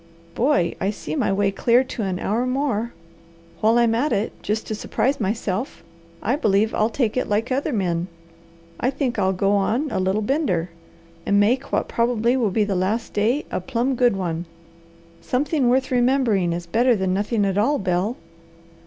Boy, I see my way clear to an hour more. While I'm at it, just to surprise myself, I believe I'll take it like other men. I think I'll go on a little bender, and make what probably will be the last day a plumb good one. Something worth remembering is better than nothing at all, Bel!